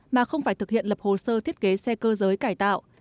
mà không phải thực hiện lập hồ sơ thiết kế xe cơ giới cải tạo